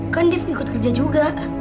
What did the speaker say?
kan dev ikut kerja juga